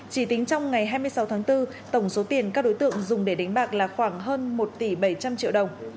chỉ tính trong ngày hai mươi sáu tháng bốn tổng số tiền các đối tượng dùng để đánh bạc là khoảng hơn một tỷ bảy trăm linh triệu đồng